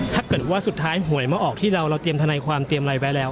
ถ้าเกิดว่าสุดท้ายหวยมาออกที่เราเราเตรียมทนายความเตรียมอะไรไว้แล้ว